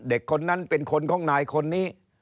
เด็กคนนั้นเป็นคนของนายคนนี้